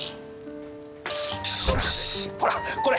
ほらこれ！